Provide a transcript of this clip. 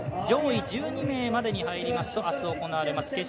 上位１２名までに入りますと明日行われます